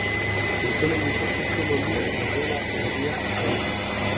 Plutonen izotzezko mendiak daudela egia al da?